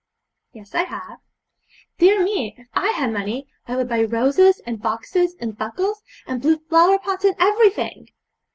'Yes, I have.' 'Dear me! if I had money I would buy roses, and boxes, and buckles, and blue flower pots, and everything.'